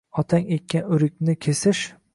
Otang ekkan oʼrikni kesish.